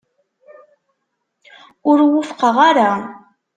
Ur wufqeɣ ara.